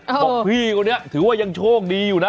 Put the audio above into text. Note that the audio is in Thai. บอกพี่คนนี้ถือว่ายังโชคดีอยู่นะ